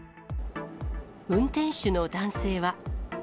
運転手の男性は。